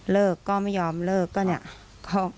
ก็ไม่ยอมเลิกก็เนี่ย